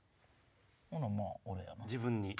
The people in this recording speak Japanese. ほなまぁ俺やな。